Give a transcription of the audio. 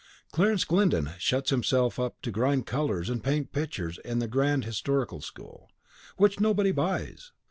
Clarence Glyndon shuts himself up to grind colours and paint pictures in the grand historical school, which nobody buys.